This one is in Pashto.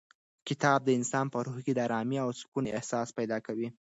کتاب د انسان په روح کې د ارامۍ او سکون احساس پیدا کوي.